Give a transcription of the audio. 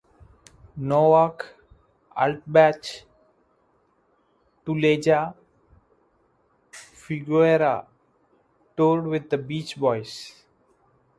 Novak, Altbach, Tuleja, and Figueroa toured with the Beach Boys.